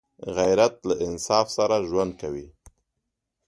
غیرت له انصاف سره ژوند کوي